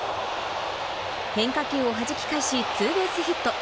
変化球をはじき返し、ツーベースヒット。